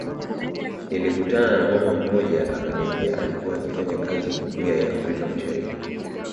Nilikutana na mama mmoja akaniambia alikua akifanya kazi jumuiya ya afrika mashariki